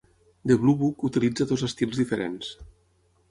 "The Bluebook" utilitza dos estils diferents.